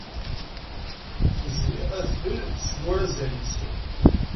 Tezwi adfel seg urazal-is.